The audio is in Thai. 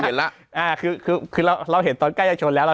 เห็นล่ะอ่าคือคือคือเราเห็นตอนใกล้จะชนแล้วเรา